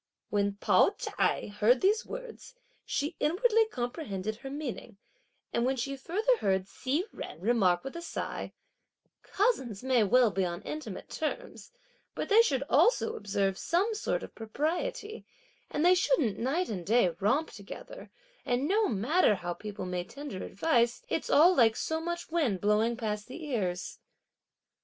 When Pao ch'ai heard these words, she inwardly comprehended her meaning, and when she further heard Hsi Jen remark with a sigh: "Cousins may well be on intimate terms, but they should also observe some sort of propriety; and they shouldn't night and day romp together; and no matter how people may tender advice it's all like so much wind blowing past the ears."